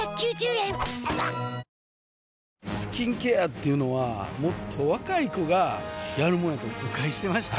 スキンケアっていうのはもっと若い子がやるもんやと誤解してました